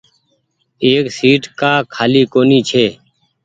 اي سيٽ ڪآ کآلي ڪونيٚ ڇي۔